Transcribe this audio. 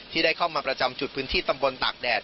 ที่ได้เข้ามาประจำจุดพื้นที่ตำบลตากแดด